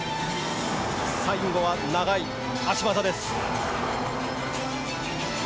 最後は長い脚技です。